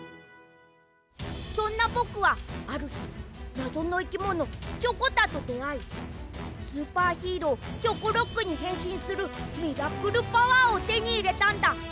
そんなぼくはあるひなぞのいきものチョコタとであいスーパーヒーローチョコロックにへんしんするミラクルパワーをてにいれたんだ！